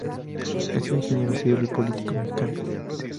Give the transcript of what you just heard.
Es un Ingeniero Civil y político mexicano.